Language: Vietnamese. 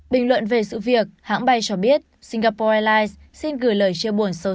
bình luận về sự việc hãng bay cho biết singapore airlines xin gửi lời chia buồn sâu